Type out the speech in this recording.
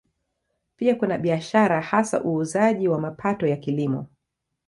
Pia kuna biashara, hasa uuzaji wa mapato ya Kilimo.